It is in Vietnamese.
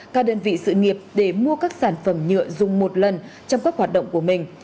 các đơn vị sự nghiệp để mua các sản phẩm nhựa dùng một lần trong các hoạt động của mình